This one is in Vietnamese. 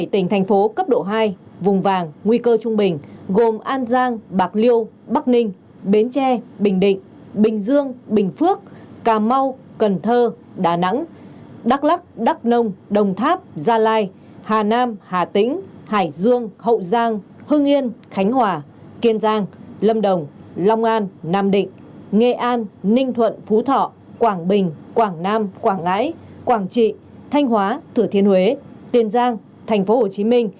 thành phố cấp độ hai vùng vàng nguy cơ trung bình gồm an giang bạc liêu bắc ninh bến tre bình định bình dương bình phước cà mau cần thơ đà nẵng đắk lắc đắk nông đồng tháp gia lai hà nam hà tĩnh hải dương hậu giang hưng yên khánh hòa kiên giang lâm đồng long an nam định nghệ an ninh thuận phú thọ quảng bình quảng nam quảng ngãi quảng trị thanh hóa thử thiên huế tiên giang tp hcm